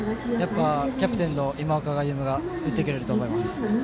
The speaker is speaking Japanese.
キャプテンの今岡歩夢が打ってくれると思います。